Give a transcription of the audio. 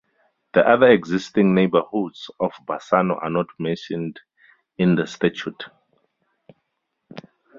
The other existing neighbourhoods of Bassano are not mentioned in the statute.